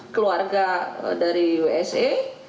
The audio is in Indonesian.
keluarga dari wsa